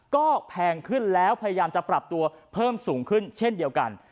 ก็แพงขึ้นแล้วพยายามจะปรับตัวเพิ่มสูงขึ้นเช่นเดียวกัน